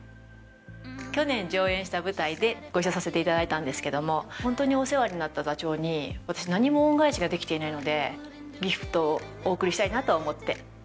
去年上演した舞台でご一緒させていただいたんですけどもホントにお世話になった座長に私何にも恩返しができていないのでギフトをお贈りしたいなと思って。